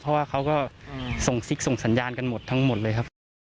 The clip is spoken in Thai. เพราะว่าเขาก็ส่งซิกส่งสัญญาณกันหมดทั้งหมดเลยครับ